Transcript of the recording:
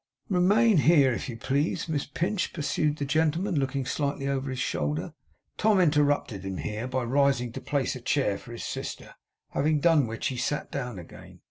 'Remain here, if you please, Miss Pinch,' pursued the gentleman, looking slightly over his shoulder. Tom interrupted him here, by rising to place a chair for his sister. Having done which he sat down again.